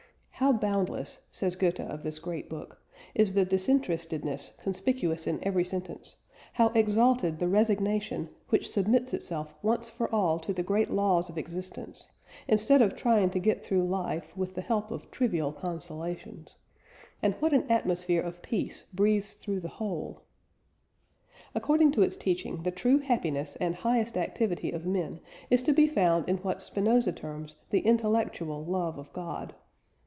"How boundless," says Goethe of this great book, "is the disinterestedness conspicuous in every sentence, how exalted the resignation which submits itself once for all to the great laws of existence, instead of trying to get through life with the help of trivial consolations; and what an atmosphere of peace breathes through the whole!" According to its teaching the true happiness and highest activity of men is to be found in what Spinoza terms "the intellectual love of God."